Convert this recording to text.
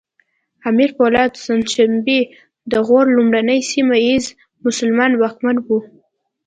امیر پولاد شنسبی د غور لومړنی سیمه ییز مسلمان واکمن و